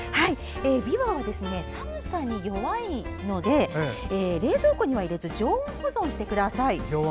びわは、寒さに弱いので冷蔵庫には入れず常温保存してください。